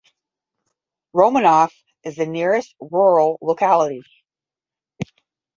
Romanov is the nearest rural locality.